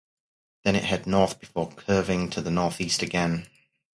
Then, it head north before curving to the northeast again.